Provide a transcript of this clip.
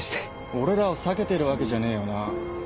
俺らを避けてるわけじゃねえよな？